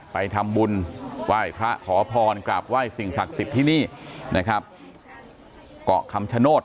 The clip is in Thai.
ไปทำบุญไหว้พระขอพรกราบไหว้สิ่งศักดิ์สิทธิ์ที่นี่นะครับเกาะคำชโนธ